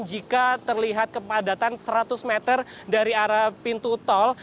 jika terlihat kepadatan seratus meter dari arah pintu tol